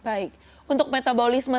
baik untuk metabolisme